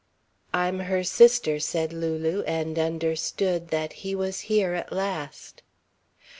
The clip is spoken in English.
"I'm her sister," said Lulu, and understood that he was here at last.